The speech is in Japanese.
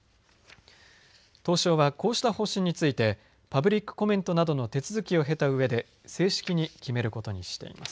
東証はこうした方針についてパブリックコメントなどの手続きを経たうえで正式に決めることにしています。